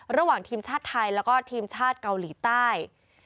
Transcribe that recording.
ระหว่างทีมชาติไทยแล้วก็ทีมชาติเกาหลีใต้